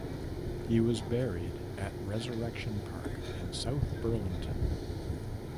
He was buried at Resurrection Park in South Burlington.